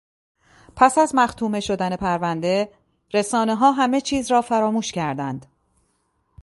پس از مختومه شدن پرونده، رسانهها همه چیز را فراموش کردند